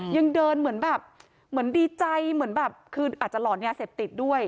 ยังเดินเหมือนแบบเหมือนดีใจเหมือนแบบคืออาจจะหลอนยาเสพติดด้วย